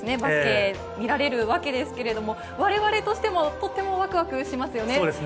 バスケを見られるわけですけれど、我々としても、とってもワクワクしますね。